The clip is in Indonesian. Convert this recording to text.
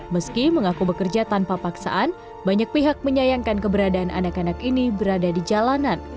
meski mengaku bekerja tanpa paksaan banyak pihak menyayangkan keberadaan anak anak ini berada di jalanan